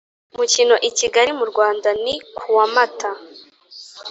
Umukino i Kigali mu Rwanda ni ku wa Mata